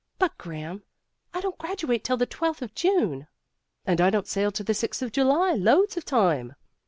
"But, Graham, I don't graduate till the twelfth of June." "And I don't sail till the sixth of July. Loads of time."